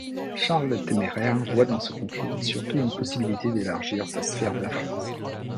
Charles le Téméraire voit dans ce conflit surtout une possibilité d'élargir sa sphère d'influence.